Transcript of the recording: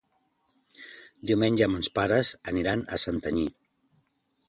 Diumenge mons pares aniran a Santanyí.